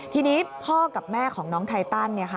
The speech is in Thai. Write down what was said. ทีนี้พ่อกับแม่ของน้องไทตัน